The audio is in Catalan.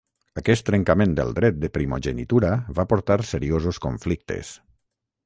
Aquest trencament del dret de primogenitura va portar seriosos conflictes.